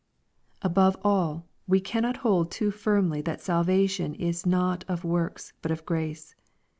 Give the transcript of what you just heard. Above all, we cannot hold too firmly that salvation is not or works, but of grace.